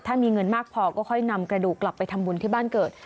ถ้ามีเงินมากพอก็ค่อยนำกระดูกกลับไปทำบุญที่บ้านเกิด